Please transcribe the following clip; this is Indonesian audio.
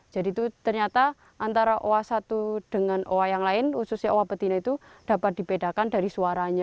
jadi itu ternyata antara oa satu dengan oa yang lain khususnya oa petina itu dapat dipedakan dari suaranya